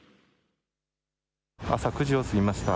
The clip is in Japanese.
朝９時を過ぎました。